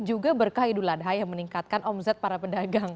juga berkah idul adha yang meningkatkan omzet para pedagang